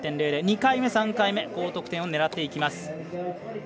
３回目、３回目高得点を狙っていきます。